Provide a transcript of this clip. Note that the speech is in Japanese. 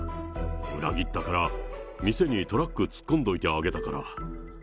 裏切ったから店にトラック突っ込んどいてあげたから。